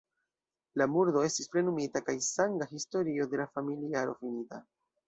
La murdo estis plenumita kaj sanga historio de la familiaro finita.